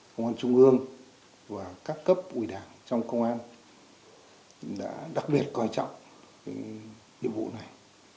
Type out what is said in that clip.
công an trung ương và các cấp ủy đảng trong công an đã đặc biệt coi trọng nhiệm vụ này